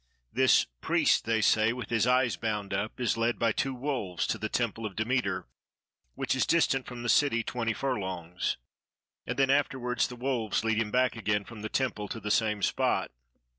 This priest, they say, with his eyes bound up is led by two wolves to the temple of Demeter, which is distant from the city twenty furlongs, and then afterwards the wolves lead him back again from the temple to the same spot.